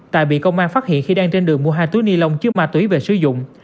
tài bị công an phát hiện khi đang trên đường mua hai túi ni lông chứa ma túy về sử dụng